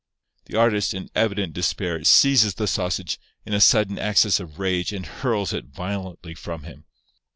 The artist, in evident despair, seizes the sausage, in a sudden access of rage, and hurls it violently from him.